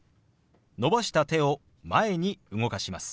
伸ばした手を前に動かします。